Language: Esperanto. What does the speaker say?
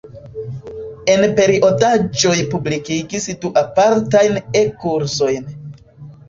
En periodaĵoj publikigis du apartajn E-kursojn.